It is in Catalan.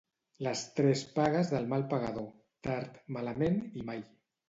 Les tres pagues del mal pagador; tard, malament i mai.